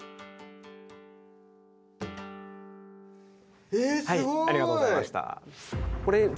うお！えすごい！ありがとうございました。